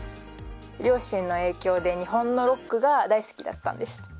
両親の影響で日本のロックが大好きだったんです。